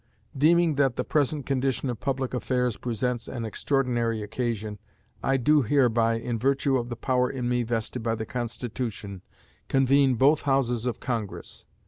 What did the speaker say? Deeming that the present condition of public affairs presents an extraordinary occasion, I do hereby, in virtue of the power in me vested by the Constitution, convene both Houses of Congress.